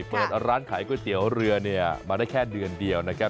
เปิดร้านขายก๋วยเตี๋ยวเรือเนี่ยมาได้แค่เดือนเดียวนะครับ